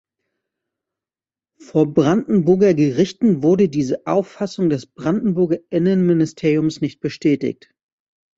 Vor Brandenburger Gerichten wurde diese Auffassung des Brandenburger Innenministeriums nicht bestätigt.